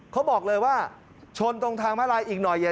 เขาบอกเลยว่าชนตรงทางมาลายอีกหน่อย